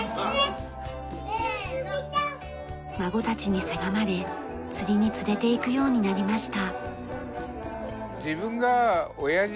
孫たちにせがまれ釣りに連れて行くようになりました。